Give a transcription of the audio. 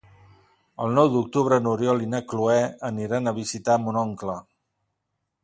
El nou d'octubre n'Oriol i na Cloè aniran a visitar mon oncle.